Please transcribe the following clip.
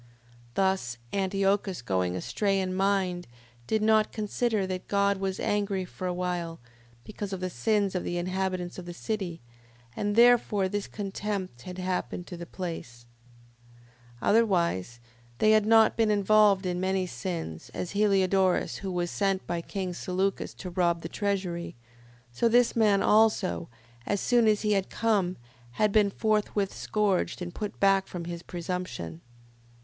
5:17. Thus Antiochus going astray in mind, did not consider that God was angry for a while, because of the sins of the inhabitants of the city: and therefore this contempt had happened to the place: 5:18. Otherwise had they not been involved in many sins, as Heliodorus, who was sent by king Seleucus to rob the treasury, so this man also, as soon as he had come, had been forthwith scourged, and put back from his presumption.